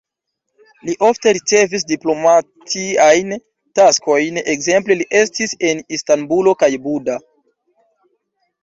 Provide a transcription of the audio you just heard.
Li ofte ricevis diplomatiajn taskojn, ekzemple li estis en Istanbulo kaj Buda.